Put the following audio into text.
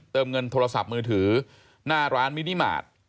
เติมเงินโทรศัพท์มือถือน่าร้านมินนิมาท